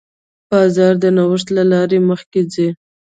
بازار د نوښت له لارې مخکې ځي.